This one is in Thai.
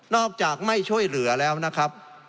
อกจากไม่ช่วยเหลือแล้วนะครับ